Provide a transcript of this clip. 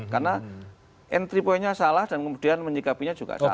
karena entry pointnya salah dan kemudian menyikapinya juga salah